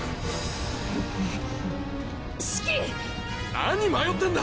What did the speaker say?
何迷ってんだ！